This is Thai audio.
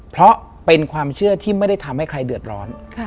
เพราะเป็นความเชื่อที่ไม่ได้ทำให้ใครเดือดร้อน